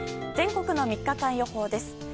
全国の３日間予報です。